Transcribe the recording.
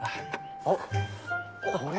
あっこれ。